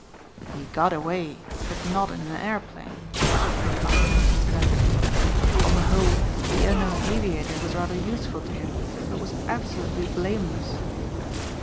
"He got away but not in an airplane," replied Anthony Trent. "On the whole the unknown aviator was rather useful to him but was absolutely blameless.